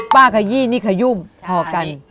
ป้าขยี้นี่ขยุมเท่ากัน